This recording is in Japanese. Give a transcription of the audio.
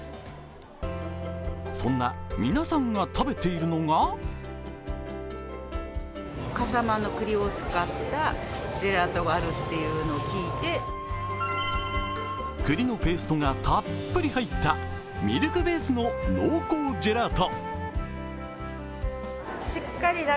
そんな皆さんが食べているのがくりのペーストがたっぷり入ったミルクベースの濃厚ジェラート。